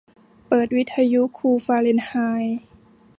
เปิดวิทยุคูลฟาเรนไฮต์